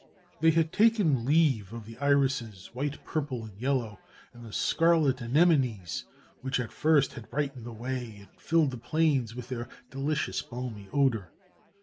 They had taken leave of the irises, white, purple, and yellow, and the scarlet anemones, which at first had brightened the way, and filled the plains with their delicious balmy odour.